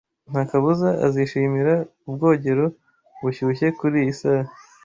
Nta kabuza azishimira ubwogero bushyushye kuriyi saha.